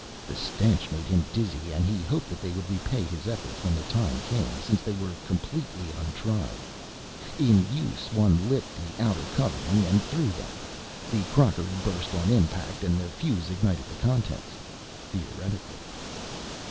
The stench made him dizzy and he hoped that they would repay his efforts when the time came, since they were completely untried. In use one lit the outer covering and threw them. The crockery burst on impact and the fuse ignited the contents. Theoretically.